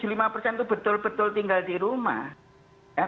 itu betul betul tinggal di rumah